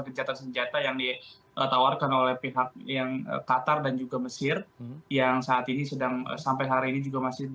kejahatan senjata yang ditawarkan oleh pihak yang qatar dan juga mesir yang saat ini sedang sampai hari ini juga masih